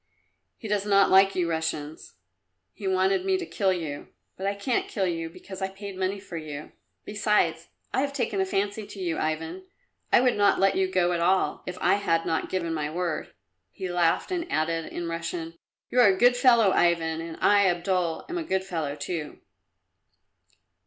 He does not like you Russians. He wanted me to kill you, but I can't kill you because I paid money for you. Besides, I have taken a fancy to you, Ivan; I would not let you go at all, if I had not given my word." He laughed and added in Russian, "You are a good fellow, Ivan, and I, Abdul, am a good fellow too."